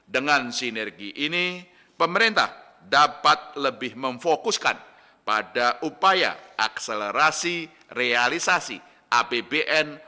dengan sinergi ini pemerintah dapat lebih memfokuskan pada upaya akselerasi realisasi apbn